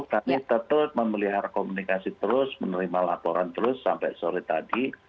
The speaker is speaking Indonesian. kami tetap memelihara komunikasi terus menerima laporan terus sampai sore tadi